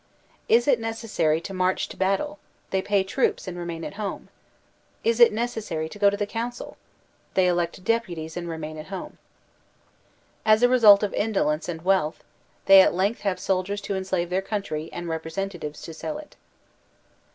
Is it necessary to march to battle, they pay troops and remain at home; is it necessary to go to the council, they elect deputies and remain at home. As a result of indolence and wealth, they at length have soldiers to enslave their country and representatives to sell it.